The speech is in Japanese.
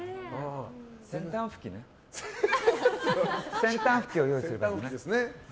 先端拭きを用意すればいいのね。